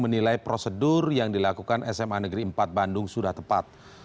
menilai prosedur yang dilakukan sma negeri empat bandung sudah tepat